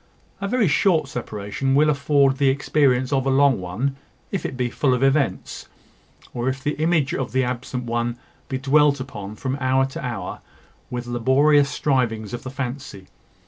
A very short separation will afford the experience of a long one, if it be full of events, or if the image of the absent one be dwelt upon, from hour to hour, with laborious strivings of the fancy.